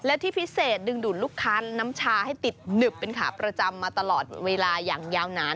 และที่พิเศษดึงดูดลูกค้าน้ำชาให้ติดหนึบเป็นขาประจำมาตลอดเวลาอย่างยาวนาน